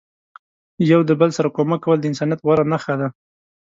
یو د بل سره کومک کول د انسانیت غوره نخښه ده.